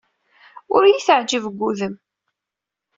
Ur iyi-teɛjib deg wudem.